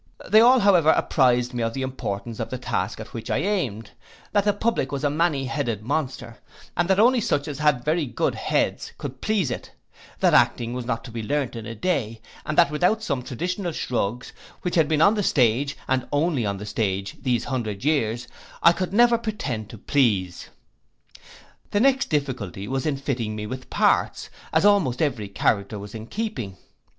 They all, however, apprized me of the importance of the task at which I aimed; that the public was a many headed monster, and that only such as had very good heads could please it: that acting was not to be learnt in a day; and that without some traditional shrugs, which had been on the stage, and only on the stage, these hundred years, I could never pretend to please. The next difficulty was in fitting me with parts, as almost every character was in keeping.